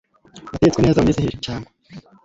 watetswe neza mu minsi nk’ibiri cyangwa